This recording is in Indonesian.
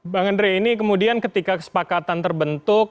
bang andre ini kemudian ketika kesepakatan terbentuk